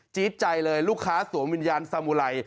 ี๊ดใจเลยลูกค้าสวมวิญญาณสมุไร